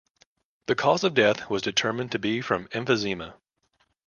The cause of death was determined to be from emphysema.